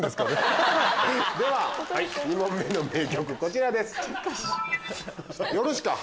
２問目の名曲こちらです。